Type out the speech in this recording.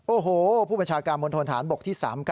โอ้โหผู้บัญชาการมณฑนฐานบกที่๓๙